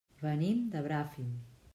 Venim de Bràfim.